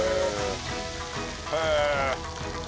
へえ！